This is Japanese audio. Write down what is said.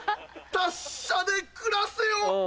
達者で暮らせよ！